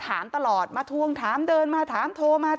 ความปลอดภัยของนายอภิรักษ์และครอบครัวด้วยซ้ำ